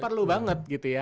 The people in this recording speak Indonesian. perlu banget gitu ya